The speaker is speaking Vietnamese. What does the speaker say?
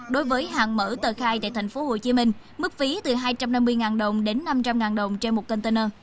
đối với hàng mở tờ khai tại tp hcm mức phí từ hai trăm năm mươi đồng đến năm trăm linh đồng trên một container